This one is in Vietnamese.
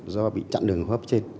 do bị chặn đường hốp trên